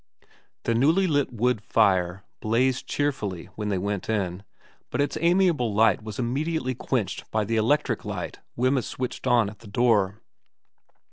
The newly lit wood fire blazed cheerfully when they went in, but its amiable light was immediately quenched by the electric light Wemyss switched on at the door.